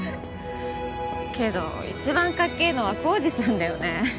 けど一番かっけぇのは晃司さんだよね。